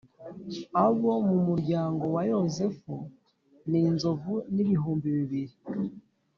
Abo mu muryango wa Yosefu ni inzovu n’ibihumbi bibiri.